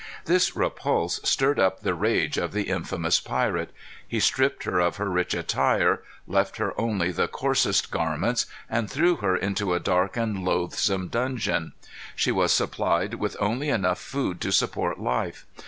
This repulse stirred up the rage of the infamous pirate. He stripped her of her rich attire, left her only the coarsest garments, and threw her into a dark and loathsome dungeon. She was supplied with only enough food to support life.